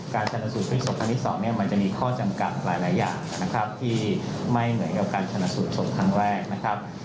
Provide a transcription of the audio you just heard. การชนสูตรพลิกศพครั้งที่๒เนี่ยมันจะมีข้อจำกัดหลายอย่างนะครับที่ไม่เหมือนกับการชนะสูตรศพครั้งแรกนะครับ